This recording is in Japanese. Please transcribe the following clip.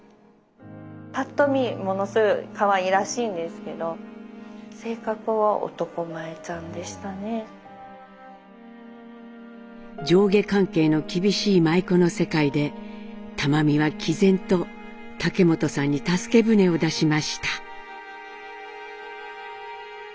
パッと見ものすごいかわいらしいんですけど上下関係の厳しい舞妓の世界で玉美はきぜんと竹本さんに助け船を出しました。